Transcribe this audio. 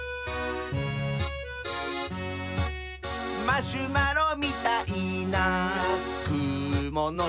「マシュマロみたいなくものした」